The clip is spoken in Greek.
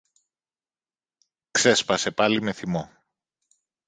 ξέσπασε πάλι με θυμό.